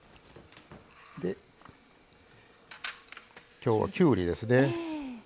きょうはきゅうりですね。